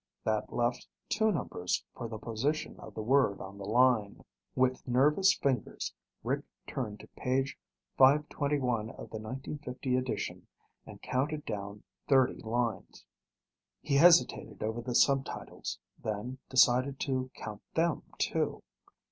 That left two numbers for the position of the word on the line. With nervous fingers Rick turned to Page 521 of the 1950 edition and counted down 30 lines. He hesitated over the subtitles, then decided to count them too.